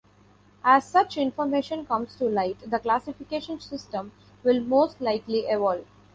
As such information comes to light, the classification system will most likely evolve.